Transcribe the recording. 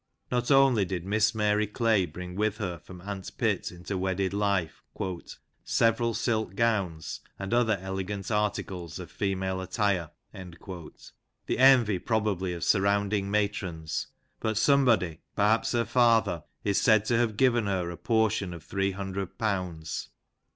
Not only did Miss Mary Clay bring with her from Aunt Pitt, into wedded life, " several silk gowns and other elegant articles of female attire," the envy, probably, of surrounding matrons, but somebody, perhaps her father, is said to have given her a portion of three hundred pounds.